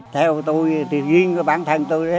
theo tôi riêng với bản thân tôi